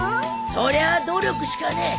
そりゃあ努力しかねえ。